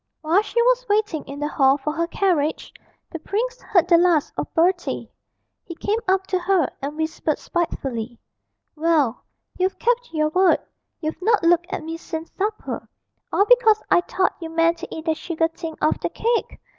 While she was waiting in the hall for her carriage, the prince heard the last of Bertie; he came up to her and whispered spitefully, 'Well, you've kept your word, you've not looked at me since supper, all because I thought you meant to eat that sugar thing off the cake!